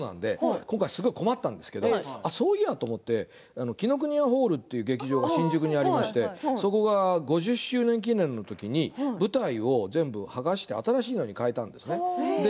今回すごく困ったんですけれど紀伊國屋ホールという劇場が新宿にありまして５０周年記念の時に舞台を剥がして新しいものに変えたんですね。